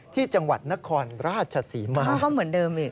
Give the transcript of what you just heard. ที่จังหวัดนครราชศรีมาก็เหมือนเดิมอีก